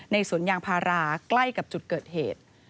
สวนยางพาราใกล้กับจุดเกิดเหตุ